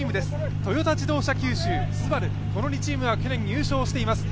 トヨタ自動車九州、ＳＵＢＡＲＵ、この２チームは入賞しています。